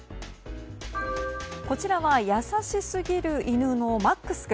こちらは、優しすぎる犬のマックス君。